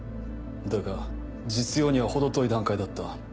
だが実用には程遠い段階だった。